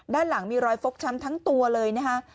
ด้านหลังมีรอยฟกช้ำทั้งตัวเลยนะคะ